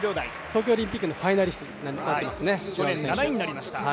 東京オリンピックのファイナリストに残ってますね。